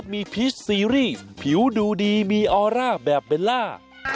มาพร้อมครับน้ำ